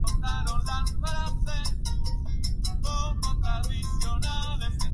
Fue derrotado por Hombre de Hielo.